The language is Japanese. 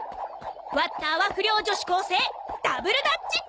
ワッターは不良女子高生ダブルダッチチャンピオン！